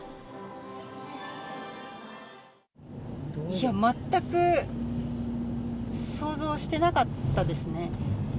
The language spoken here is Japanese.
いや、全く想像してなかったですね。